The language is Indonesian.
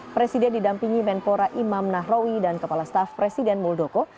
presiden didampingi menpora imam nahrawi dan kepala staf presiden muldoko